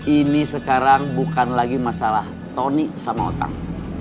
ini sekarang bukan lagi masalah tony sama otang